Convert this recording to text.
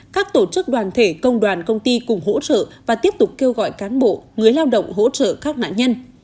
các tổ chức đoàn thể công đoàn công ty cùng hỗ trợ và tiếp tục kêu gọi cán bộ người lao động hỗ trợ các nạn nhân